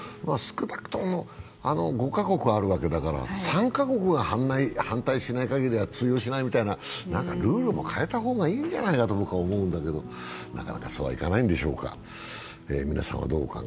少なくとも５カ国あるわけだから、３カ国が反対しないかぎりは通用しないみたいな何かルールも変えたほうがいいんじゃないかと思うんだけど、なかなかそうはいかないんだろうか。